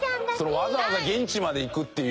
わざわざ現地まで行くっていう。